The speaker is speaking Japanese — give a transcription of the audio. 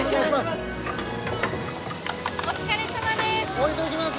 お疲れさまです。